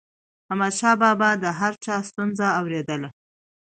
احمدشاه بابا به د هر چا ستونزه اوريدله.